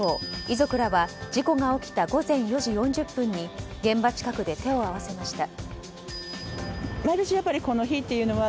遺族らは事故が起きた午前４時４０分に現場近くで手を合わせました。